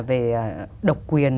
về độc quyền